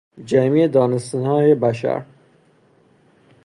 جمیع دانستههای بشر